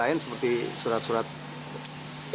ini lain seperti surat surat pemecahan